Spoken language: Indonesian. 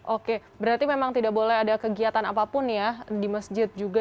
oke berarti memang tidak boleh ada kegiatan apapun ya di masjid juga